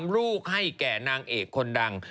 ลูกให้แก่นางเอกคนดัง